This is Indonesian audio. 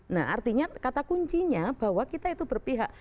nah artinya kata kuncinya bahwa kita itu berpihak